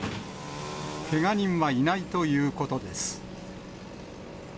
けが人はいないということです。